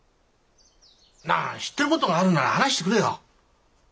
なあ知ってる事があるんなら話してくれよ。